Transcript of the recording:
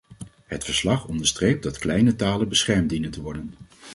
Het verslag onderstreept dat kleine talen beschermd dienen te worden.